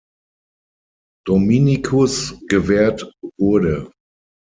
Dominikus gewährt wurde.